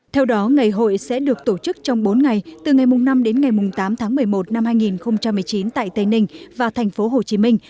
theo đó ngày hội sẽ được tổ chức trong bốn ngày từ ngày năm đến ngày tám tháng một mươi một năm hai nghìn một mươi chín tại tây ninh và thành phố hồ chí minh